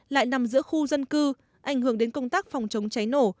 lại nằm giữa khu dân cư ảnh hưởng đến công tác phòng chống cháy nổ